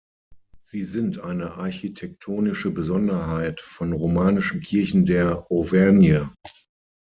Sie sind eine architektonische Besonderheit von romanischen Kirchen der Auvergne.